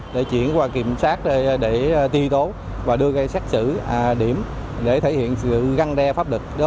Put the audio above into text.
để chuyển qua kiểm sát để ti tố và đưa gây xét xử điểm để thể hiện sự găng đe pháp địch